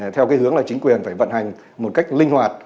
theo cái hướng là chính quyền phải vận hành một cách linh hoạt